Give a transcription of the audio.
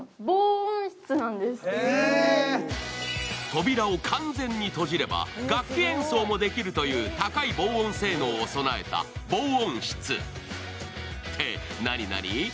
扉を完全に閉じれば、楽器演奏もできるという高い防音性能を備えた防音室。ってなになに？